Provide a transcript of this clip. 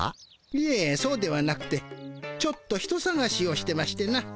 いえそうではなくてちょっと人さがしをしてましてな。